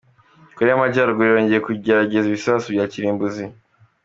Koreya y’Amajyaruguru yongeye kugerageza ibisasu bya kirimbuzi